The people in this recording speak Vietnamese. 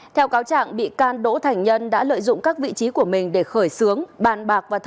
theo cáo trạng bị can đỗ thành nhân đã lợi dụng các vị trí của mình để khởi xướng bàn bạc và